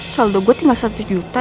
saldo gue tinggal satu juta